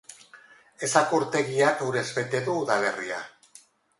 Esako urtegiak urez bete du udalerria.